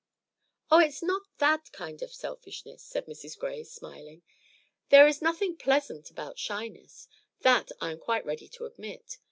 "Oh, it's not that kind of selfishness," said Mrs. Gray, smiling. "There is nothing pleasant about shyness; that I am quite ready to admit.